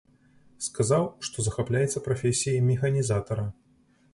Сказаў, што захапляецца прафесіяй механізатара.